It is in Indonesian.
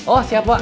oh siap wak